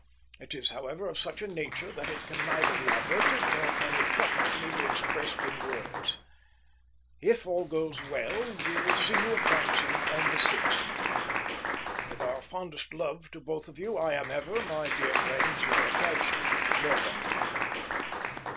It is, however, of such a nature that it can neither be averted nor can it profitably be expressed in words. If all goes well, you will see us at Branksome on the sixth. "With our fondest love to both of you, I am ever, my dear friends, your attached "MORDAUNT."